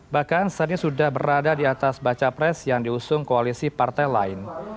bahkan saat ini sudah berada di atas baca pres yang diusung koalisi partai lain